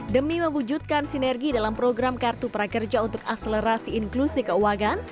demi mewujudkan sinergi dalam program kartu prakerja untuk akselerasi inklusi keuangan